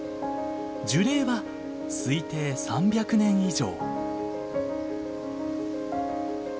樹齢は推定３００年以上。